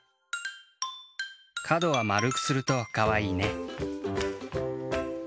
かどはまるくするとかわいいね。